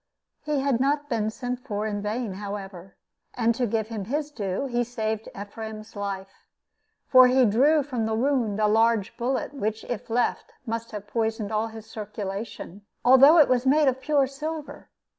He had not been sent for in vain, however; and to give him his due, he saved Ephraim's life, for he drew from the wound a large bullet, which, if left, must have poisoned all his circulation, although it was made of pure silver.